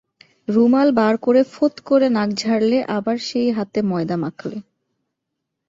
রুমাল বার করে ফোঁৎ করে নাক ঝাড়লে, আবার সেই হাতে ময়দা মাখলে।